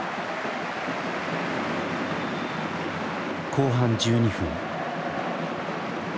後半１２分。